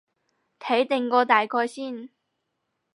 睇定個大概先